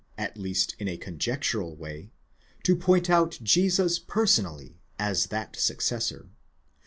at least in a conjectural way, to point out Jesus personally, as that successor.